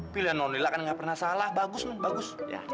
pilihan noni lah kan nggak pernah salah bagus bagus